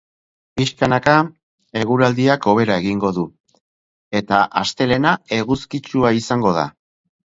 Pixkanaka eguraldiak hobera egingo du eta astelehena eguzkitsua izango da.